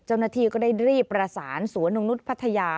เจ้าหน้าที่ก็ได้รีบประสานสวนนกนุษย์พัทยา